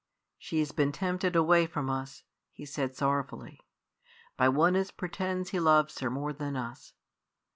"She's been tempted away from us," he said sorrowfully, "by one as pretends he loves her more than us.